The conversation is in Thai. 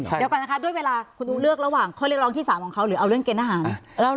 เดี๋ยวก่อนนะคะคุณเลือกระหว่างเขาเลียงเรื่องที่๓หรือเอาเรื่องเกียรติฐาหาร